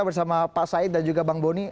bersama pak said dan juga bang boni